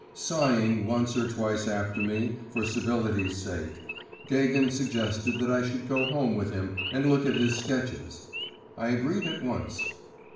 Sighing once or twice after me, for civility's sake, Gagin suggested that I should go home with him and look at his sketches. I agreed at once.